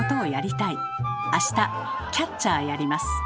あしたキャッチャーやります。